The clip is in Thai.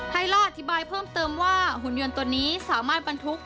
ไลท์อธิบายเพิ่มเติมว่าหุ่นยนต์ตัวนี้สามารถบรรทุก